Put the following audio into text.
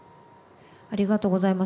ありがとうございます。